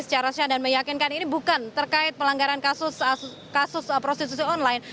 secara syah dan meyakinkan ini bukan terkait pelanggaran kasus prostitusi online